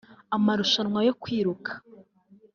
amarushanwa yo kwiruka